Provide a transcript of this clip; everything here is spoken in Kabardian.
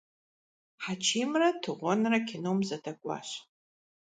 Хьэчимрэ Тыгъуэнрэ кином зэдэкӏуащ.